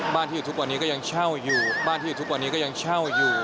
บ้านที่อยู่ทุกวันนี้ก็ยังเช่าอยู่